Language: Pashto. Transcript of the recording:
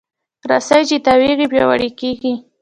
رسۍ چې تاوېږي، پیاوړې کېږي.